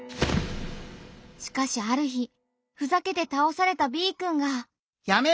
しかしある日ふざけて倒されたＢくんが。